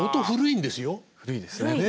古いですね。